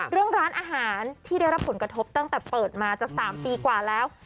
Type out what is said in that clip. เรื่องร้านอาหารที่ได้รับผลกระทบตั้งแต่เปิดมาจะ๓ปีกว่าแล้ว